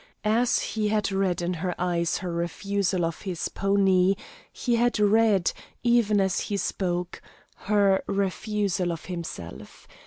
As he had read in her eyes her refusal of his pony, he had read, even as he spoke, her refusal of himself.